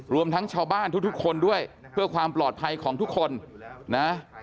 รวมทั้งชาวบ้านทุกคนด้วยเพื่อความปลอดภัยของทุกคนนะ